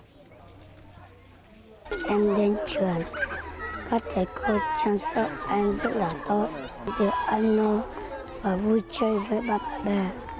trường các thầy cô trang sở em rất là tốt được ăn no và vui chơi với bác bè